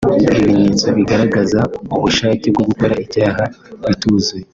ibimenyetso bigaragaza ubushake bwo gukora icyaha bituzuye